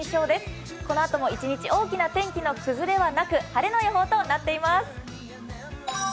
このあとも一日、大きな天気の崩れはなく晴れの予報となっています。